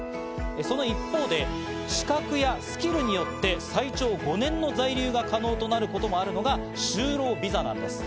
その一方で、資格やスキルによって最長５年の在留が可能となることもあるのが就労ビザなんです。